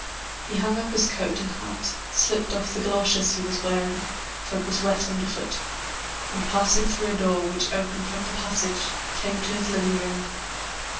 He hung up his coat and hat, slipped off the galoshes he was wearing (for it was wet underfoot), and, passing through a door which opened from the passage, came to his living room.